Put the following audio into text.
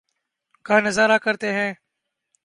کا نظارہ کرتے ہیں